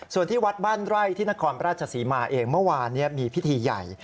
ส่วนที่วัดบ้านไร่ที่นครราชศรีมาเองเมื่อวานมีพิธีใหญ่